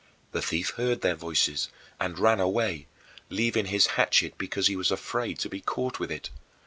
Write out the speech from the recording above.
The thief heard their voices and ran away, leaving his hatchet because he was afraid to be caught with it.